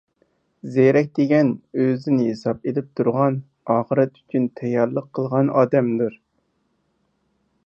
زېرەك دېگەن – ئۆزىدىن ھېساب ئېلىپ تۇرغان، ئاخىرەت ئۈچۈن تەييارلىق قىلغان ئادەمدۇر.